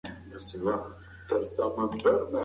مهرباني وکړه او زما د خونې دروازه په کراره بنده کړه.